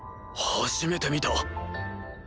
初めて見た。